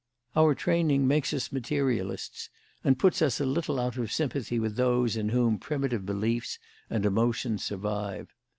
Our training makes us materialists, and puts us a little out of sympathy with those in whom primitive beliefs and emotions survive.